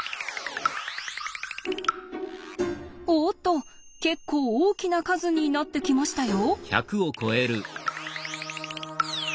おっと結構大きな数になってきましたよ。